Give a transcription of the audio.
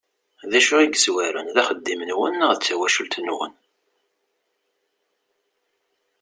D acu i yezwaren, d axeddim-nwen neɣ d tawacult-nwen?